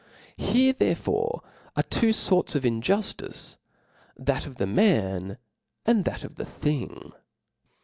Here therefore are two forts of injuftice, that of the man and that of the thing.